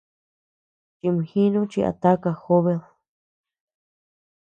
Chimjinu chi a taka jobed.